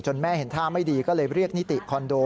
แม่เห็นท่าไม่ดีก็เลยเรียกนิติคอนโด